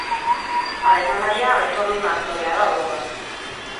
Haren anaia Aitor Luna aktorea da, orobat.